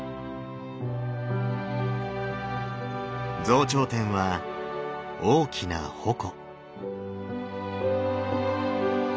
増長天は大きな矛。